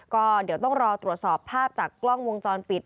ก็เดี๋ยวต้องรอตรวจสอบภาพจากกล้องวงจรปิด